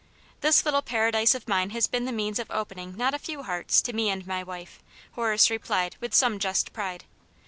" This little Paradise of mine has been the means of opening not a few hearts to me and my wife," Horace replied, with some just pride.